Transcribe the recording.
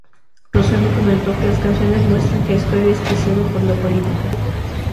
Rosendo comentó que "Las canciones muestran que estoy desquiciado por la política.